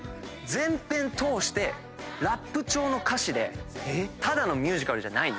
全編通してラップ調の歌詞でただのミュージカルじゃないんです。